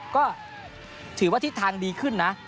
ก็ถือว่าทิศทางดีขึ้นนะ